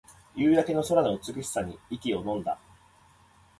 夕焼け空の美しさに息をのんだ